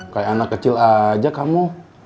jajan aja kecil aja kamu